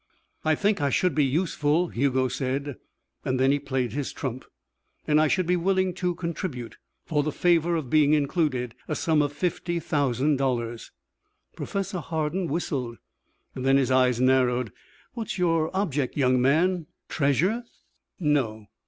"I think I should be useful," Hugo said, and then he played his trump, "and I should be willing to contribute, for the favour of being included, a sum of fifty thousand dollars." Professor Hardin whistled. Then his eyes narrowed. "What's your object, young man? Treasure?" "No.